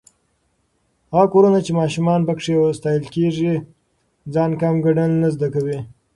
هغه کورونه چې ماشومان پکې ستايل کېږي، ځان کم ګڼل نه زده کوي.